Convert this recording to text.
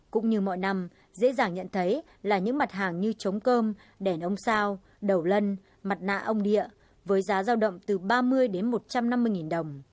cũng như mọi năm dễ dàng nhận thấy là những mặt hàng như chống cơm đèn ông sao đầu lân mặt nạ ông địa với giá giao động từ ba mươi đến một trăm năm mươi nghìn đồng